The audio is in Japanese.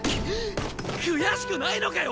悔しくないのかよ